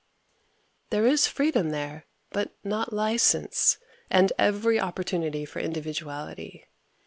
There is freedom there, but not license, and every opportunity for individuality.